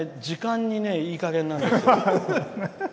時間にいいかげんなんですよ。